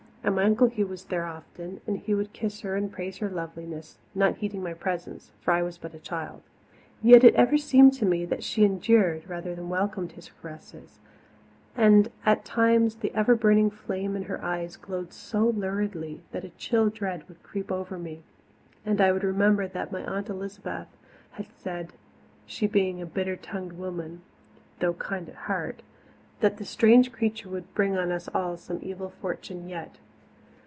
And my Uncle Hugh was there often, and he would kiss her and praise her loveliness, not heeding my presence for I was but a child. Yet it ever seemed to me that she endured rather than welcomed his caresses, and at times the ever burning flame in her eyes glowed so luridly that a chill dread would creep over me, and I would remember what my Aunt Elizabeth had said, she being a bitter tongued woman, though kind at heart that this strange creature would bring on us all some evil fortune yet.